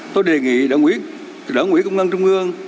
tôi đề nghị đảng quỹ công an trung ương